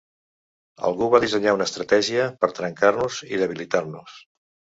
Algú va dissenyar una estratègia per trencar-nos i debilitar-nos.